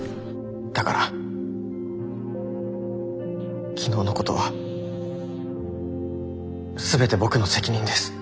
だから昨日のことは全て僕の責任です。